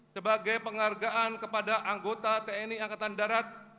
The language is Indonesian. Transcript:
sebagai penghargaan kepada anggota tni angkatan darat